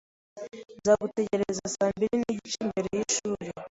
Nzagutegereza saa mbiri n'igice imbere yishuri.